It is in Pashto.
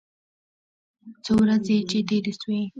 څو ورځې چې تېرې سوې.